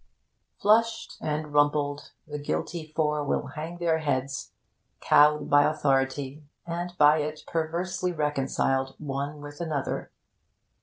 Flushed and rumpled, the guilty four will hang their heads, cowed by authority and by it perversely reconciled one with another.